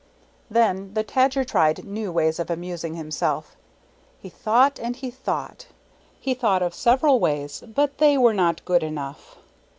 Then the Tadger tried new ways of amusing himself. He thought and he thought. He thought of several ways, but they were not good enough.